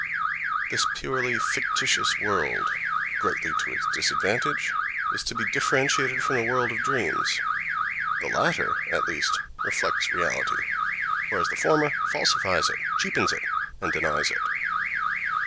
—This purely fictitious world, greatly to its disadvantage, is to be differentiated from the world of dreams; the latter at least reflects reality, whereas the former falsifies it, cheapens it and denies it.